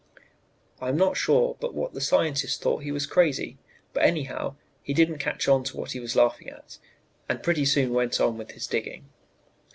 "I am not sure but what the scientist thought he was crazy, but anyhow, he didn't catch on to what he was laughing at, and pretty soon went on with his digging.